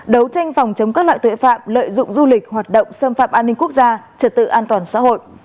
đấu tranh phòng chống các loại tội phạm lợi dụng du lịch hoạt động xâm phạm an ninh quốc gia trật tự an toàn xã hội